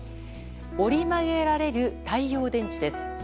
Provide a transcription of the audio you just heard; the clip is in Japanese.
折り曲げられる太陽電池です。